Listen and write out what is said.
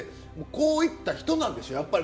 こういった人なんでしょやっぱり。